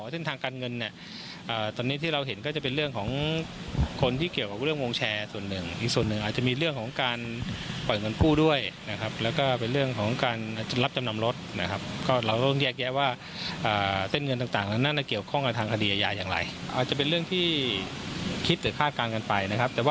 สามีของคุณแอมเนี่ย